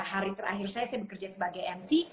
hari terakhir saya saya bekerja sebagai mc